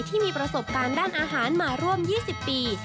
ที่มีประสบการณ์ด้านอาหารมาร่วม๒๐ปี